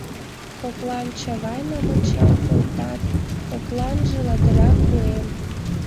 Коклан Чавайным ончал колтат, кокланже — ладыра куэм.